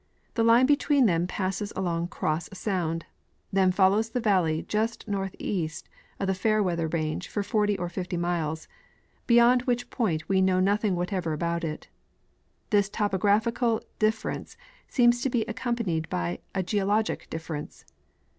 The line between them passes along Cross sound ; then follows the valley just northeast of the Fairweather range for 40 or 50 miles, beyond which point we know nothing whatever about it. This topographic difference seems to be accompanied by a geologic difference.